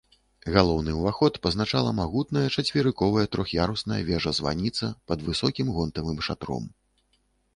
Галоўны ўваход пазначала магутная чацверыковая трох'ярусная вежа-званіца пад высокім гонтавым шатром.